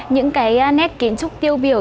những cái nét kiến trúc tiêu biểu